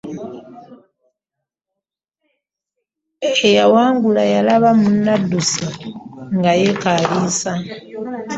Eyawangula yalaba munne adduse nga yeekaaliisa.